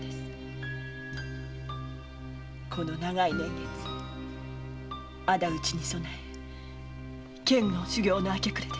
この長い年月仇討ちに備えて剣の修行の明け暮れでした。